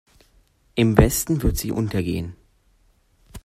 Im Westen wird sie untergehen.